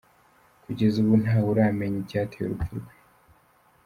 Kugeza ubu ntawe uramenya icyateye urupfu rwe.